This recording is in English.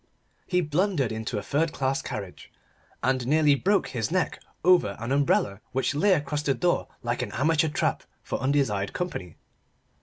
He blundered into a third class carriage, and nearly broke his neck over an umbrella which lay across the door like an amateur trap for undesired company.